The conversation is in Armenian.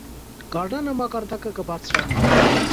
Գարնանը մակարդակը կը բարձրանայ։